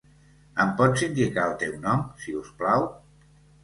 Em pots indicar el teu nom, si us plau?